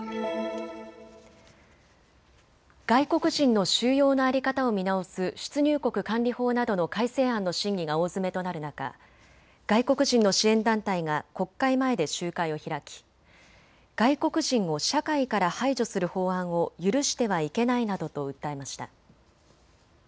外国人の収容の在り方を見直す出入国管理法などの改正案の審議が大詰めとなる中、外国人の支援団体が国会前で集会を開き外国人を社会から排除する法案を許してはいけないなどと訴えました。